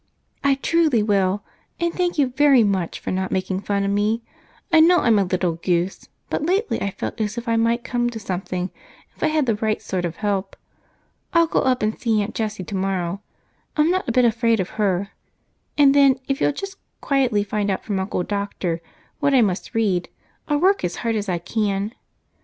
"I truly will, and thank you very much for not making fun of me. I know I'm a little goose, but lately I've felt as if I might come to something if I had the right sort of help. I'll go up and see Aunt Jessie tomorrow. I'm not a bit afraid of her, and then if you'll just quietly find out from Uncle Doctor what I must read, I'll work as hard as I can.